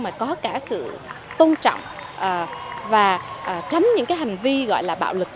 mà có cả sự tôn trọng và tránh những cái hành vi gọi là bạo lực